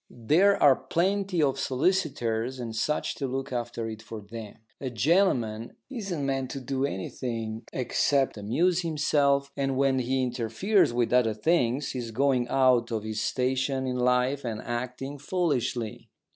There are plenty of solicitors and such to look after it for them. A gentleman isn't meant to do anything except amuse himself, and when he interferes with other things he is going out of his station in life and acting foolishly.